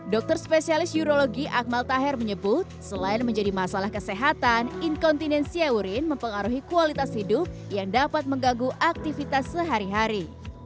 dokter spesialis yurologi akmal taher menyebut selain menjadi masalah kesehatan inkontinensia urin mempengaruhi kualitas hidup yang dapat menggaguh aktivitas sehari hari